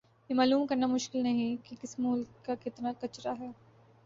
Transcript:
یہ معلوم کرنا مشکل نہیں کہ کس ملک کا کتنا کچرا ھے